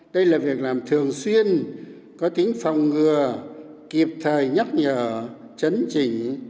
đây là việc làm thường xuyên có tính phòng ngừa kịp thời nhắc nhở chấn chỉnh